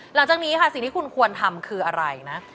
หลังจากนี้ค่ะสิ่งที่คุณควรทำคืออะไรนะ